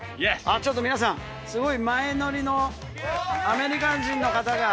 ちょっと皆さん、すごい前のめりのアメリカ人の方が。